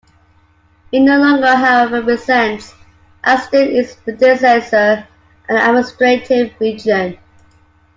It no longer however represents, as did its predecessor, an administrative region.